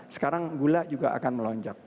sekarang gula juga akan melonjak